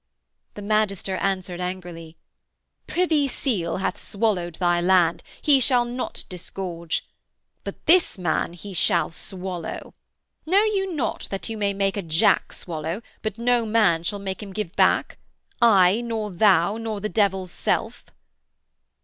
The magister answered angrily: 'Privy Seal hath swallowed thy land: he shall not disgorge. But this man he shall swallow. Know you not that you may make a jack swallow, but no man shall make him give back; I, nor thou, nor the devil's self?'